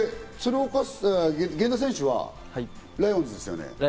源田選手はライオンズですよね。